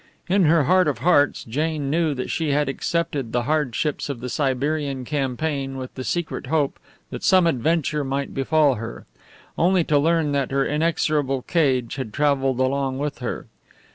In her heart of hearts Jane knew that she had accepted the hardships of the Siberian campaign with the secret hope that some adventure might befall her only to learn that her inexorable cage had travelled along with her.